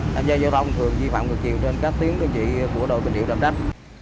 tại do giao thông thường di phạm ngược chiều trên các tiếng đường dị của đội bình điệu đạp đách